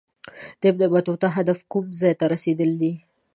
د ابن بطوطه هدف کوم ځای ته رسېدل دي.